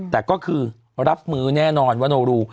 แต่ก็คือรับมือแน่นอนว่าโนรู